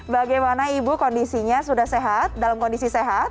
bagaimana ibu kondisinya sudah sehat dalam kondisi sehat